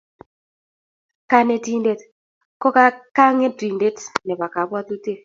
Kanetindet ko kangetindet nebo kapwatutik